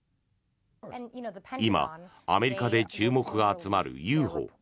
今、アメリカで注目が集まるＵＦＯ。